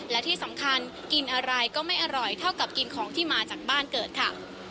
และที่สำคัญกินอะไรก็ไม่อร่อยเท่ากับกินของที่มาจากบ้านเกิดค่ะ